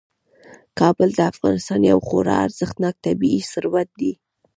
کابل د افغانستان یو خورا ارزښتناک طبعي ثروت دی.